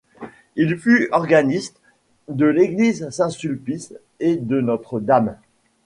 Il fut organiste de l'Église Saint-Sulpice et de Notre-Dame.